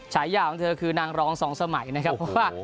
ฉายาวของเธอนางร้องสองสมัยนะครับ